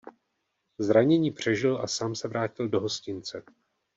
Zranění přežil a sám se vrátil do hostince.